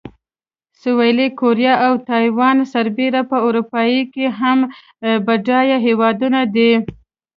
سویلي کوریا او تایوان سربېره په اروپا کې هم بډایه هېوادونه دي.